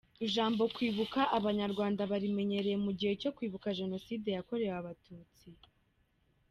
Ijambo kwibuka, Abanyarwanda barimenyereye mu gihe cyo kwibuka Jenoside yakorewe Abatutsi.